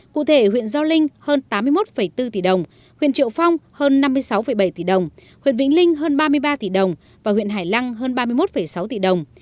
cụ thể huyện gio linh hơn tám mươi một bốn tỷ đồng huyện triệu phong hơn năm mươi sáu bảy tỷ đồng huyện vĩnh linh hơn ba mươi ba tỷ đồng và huyện hải lăng hơn ba mươi một sáu tỷ đồng